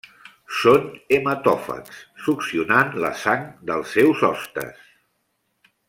Són hematòfags, succionant la sang dels seus hostes.